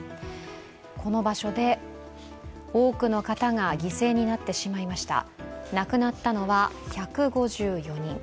この場所で多くの方が犠牲になってしまいました。